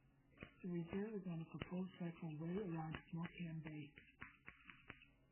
The reserve is on a proposed cycle way around Morecambe Bay.